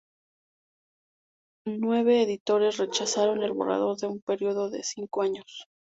Nueve editores rechazaron el borrador en un periodo de cinco años.